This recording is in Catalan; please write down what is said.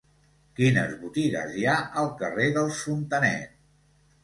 Quines botigues hi ha al carrer dels Fontanet?